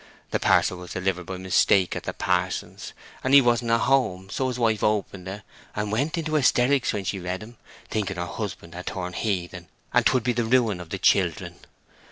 The parcel was delivered by mistake at the pa'son's, and he wasn't at home; so his wife opened it, and went into hysterics when she read 'em, thinking her husband had turned heathen, and 'twould be the ruin of the children.